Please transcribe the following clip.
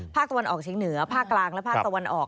ภาคตะวันออกเฉียงเหนือภาคกลางและภาคตะวันออก